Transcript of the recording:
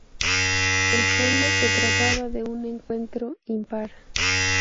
En el fondo, se trataba de un encuentro impar.